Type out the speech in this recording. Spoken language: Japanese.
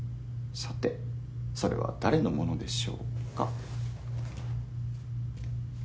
さてそれは誰のものでしょうか？